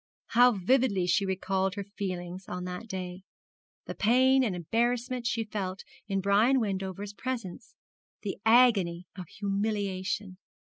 How vividly she recalled her feelings on that day the pain and embarrassment she felt in Brian Wendover's presence, the agony of humiliation!